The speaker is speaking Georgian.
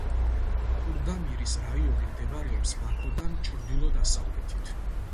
ქურდამირის რაიონი მდებარეობს ბაქოდან ჩრდილო-დასავლეთით.